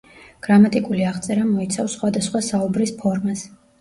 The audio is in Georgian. გრამატიკული აღწერა მოიცავს სხვადასხვა საუბრის ფორმას.